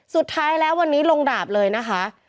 สุดท้ายแล้ววันนี้ลงดาบเลยนะคะ